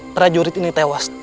prajurit ini tewas